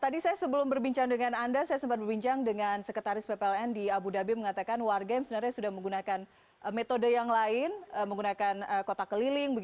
tadi saya sebelum berbincang dengan anda saya sempat berbincang dengan sekretaris ppln di abu dhabi mengatakan warga yang sebenarnya sudah menggunakan metode yang lain menggunakan kotak keliling